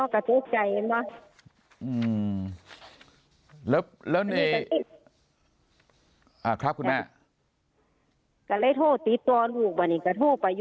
ก็เชื่อใจ